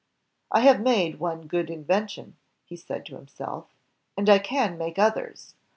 "I have made one good invention," he said to himself, "and I can make others.